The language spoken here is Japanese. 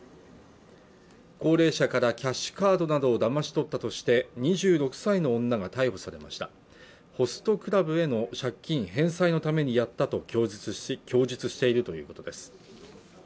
高齢者からキャッシュカードなどをだまし取ったとして２６歳の女が逮捕されましたホストクラブへの借金返済のためにやったと供述しているということです